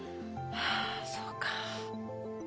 はあそうか。